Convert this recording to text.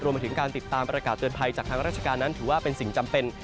มาถึงการติดตามประกาศเตือนภัยจากทางราชการนั้นถือว่าเป็นสิ่งจำเป็น